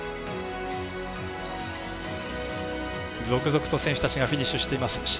続々と選手たちがフィニッシュしています。